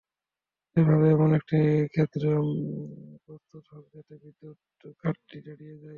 এভাবে এমন একটি ক্ষেত্র প্রস্তুত হোক, যাতে বিদ্যুৎ খাতটি দাঁড়িয়ে যায়।